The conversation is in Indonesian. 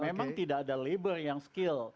memang tidak ada labor yang skill